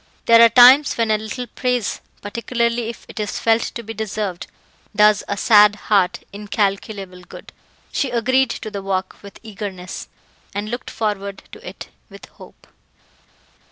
There are times when a little praise, particularly if it is felt to be deserved, does a sad heart incalculable good. She agreed to the walk with eagerness, and looked forward to it with hope.